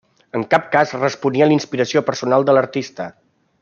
En cap cas responia a la inspiració personal de l'artista.